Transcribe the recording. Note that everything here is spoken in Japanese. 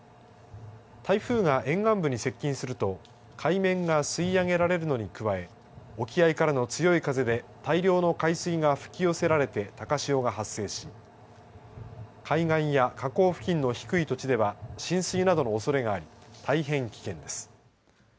台風が沿岸部に接近すると海面が吸い上げられるのに加え沖合からの強い風で大量の海水が吹き寄せられて高潮が発生し海岸や河口付近の低い土地では浸水などのおそれがあり大変危険です。